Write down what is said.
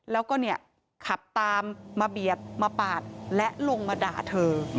แล้วก็เนี่ยขับตามมาเบียดมาปาดและลงมาด่าเธอ